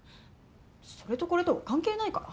それとこれとは関係ないから。